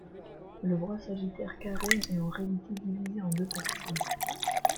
Le bras Sagittaire-Carène est en réalité divisé en deux parties.